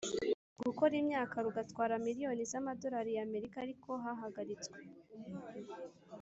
gukora imyaka rugatwara miliyoni z amadolari y Amerika ariko hahagaritswe